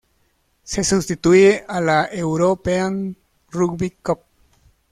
Se sustituye a la European Rugby Cup.